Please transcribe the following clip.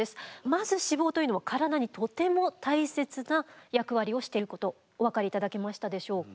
まず脂肪というのは体にとても大切な役割をしてることお分かり頂けましたでしょうか？